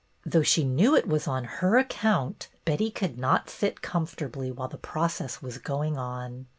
Though she knew it was on her account, Betty could not sit com fortably while the process was going on.